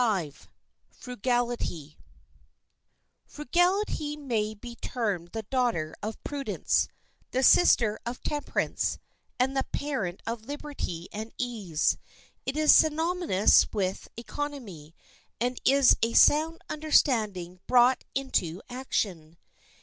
] Frugality may be termed the daughter of Prudence, the sister of Temperance, and the parent of Liberty and Ease. It is synonymous with economy, and is a sound understanding brought into action.